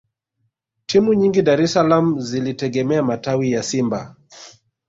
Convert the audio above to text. Timu nyingi Dar es salaam zilitegemea matawi ya Simba